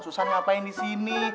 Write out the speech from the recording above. susan ngapain disini